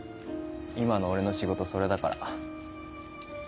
今の俺の仕事それだから。